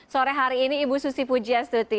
sore hari ini ibu susi pujiastuti